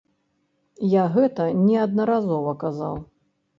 Я гэта неаднаразова казаў.